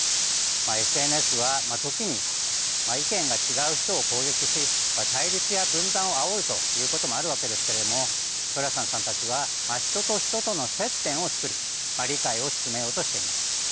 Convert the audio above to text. ＳＮＳは時に意見が違う人を攻撃し対立や分断をあおるということもあるわけですけれどもプラサンさんたちは人と人との接点を作り理解を進めようとしています。